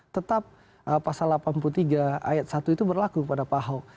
tetap pasal delapan puluh tiga ayat satu itu berlaku pada pak ahok